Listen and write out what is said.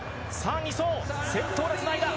２走、先頭をつないだ。